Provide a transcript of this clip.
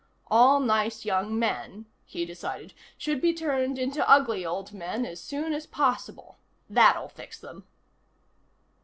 All nice young men, he decided, should be turned into ugly old men as soon as possible. That'll fix them!